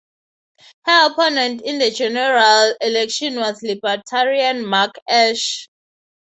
Her opponent in the General Election was Libertarian Mark Ash.